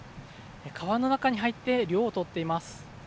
川の中に入って涼をとっています。